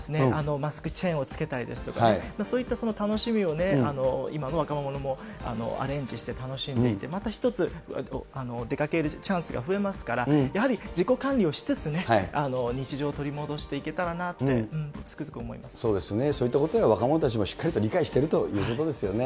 マスクチェーンをつけたりですとかね、そういった楽しみをね、今の若者もアレンジして楽しんでいて、また一つ、出かけるチャンスが増えますから、やはり自己管理をしつつね、日常を取り戻してそういったことで若者たちもしっかりと理解しているということですよね。